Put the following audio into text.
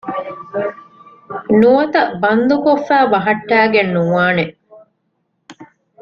ނުވަތަ ބަންދުކޮށްފައި ބަހައްޓައިގެން ނުވާނެ